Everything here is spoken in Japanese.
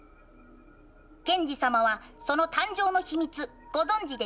ケンジ様はその誕生の秘密ご存じですか？